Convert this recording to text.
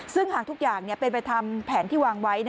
ซึ่งหากทุกอย่างเป็นไปทำแผนที่วางไว้